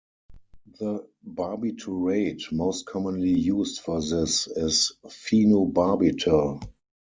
The barbiturate most commonly used for this is phenobarbital.